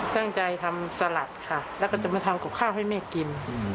ตั้งใจทำสลัดค่ะแล้วก็จะมาทำกับข้าวให้แม่กิน